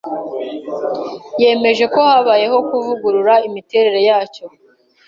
yemeje ko habayeho kuvugurura imiterere yacyo